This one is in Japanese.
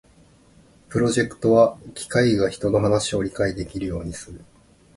プロジェクトは機械が人の話を理解できるようにする